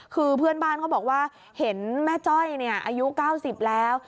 คือเพื่อนบ้านเขาบอกว่าเห็นแม่จ้อยอายุ๙๐แล้ว